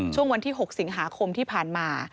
ช่วงวันที่๖สิงหาคมที่ผ่านมา